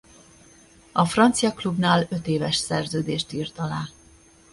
A francia klubnál ötéves szerződést írt alá.